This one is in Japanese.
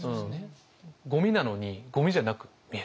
ごみなのにごみじゃなく見える。